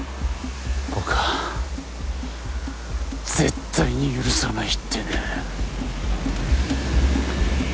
僕は絶対に許さないってね。